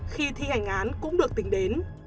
khi thi hành án cũng được tính đến